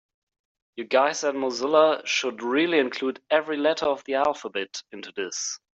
You guys at Mozilla should really include every letter of the alphabet into this.